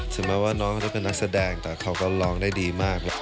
ถึงแม้ว่าน้องเขาจะเป็นนักแสดงแต่เขาก็ร้องได้ดีมากครับ